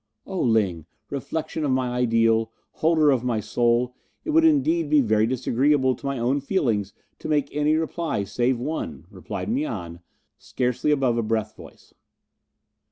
"Oh, Ling, reflexion of my ideal, holder of my soul, it would indeed be very disagreeable to my own feelings to make any reply save one," replied Mian, scarcely above a breath voice.